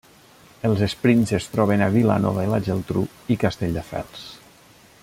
Els esprints es troben a Vilanova i la Geltrú i Castelldefels.